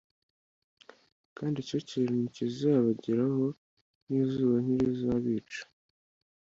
kandi icyokere ntikizabageraho n'izuba ntirizabica.